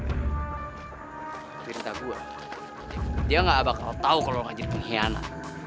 tapi rita gue dia gak bakal tau kalo lo jadi pengkhianat